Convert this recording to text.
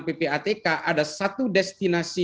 ppatk ada satu destinasi